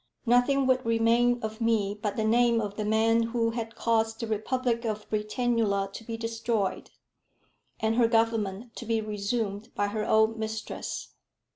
Nothing would remain of me but the name of the man who had caused the republic of Britannula to be destroyed, and her government to be resumed by her old mistress.